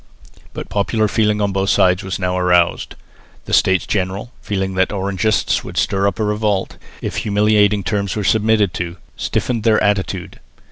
But popular feeling on both sides was now aroused. The States General, fearing that the Orangists would stir up a revolt, if humiliating terms were submitted to, stiffened their attitude.